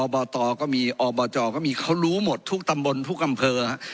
บตก็มีอบจก็มีเขารู้หมดทุกตำบลทุกอำเภอ